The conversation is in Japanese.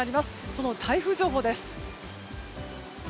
その台風情報です。